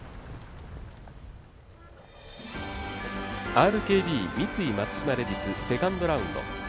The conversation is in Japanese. ＲＫＢ×三井松島レディス、セカンドラウンド。